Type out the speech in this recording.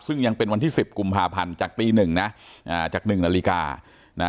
ซึ่งยังเป็นวันที่๑๐กุมภาพันธุ์จากตี๑นะจาก๑นาฬิกา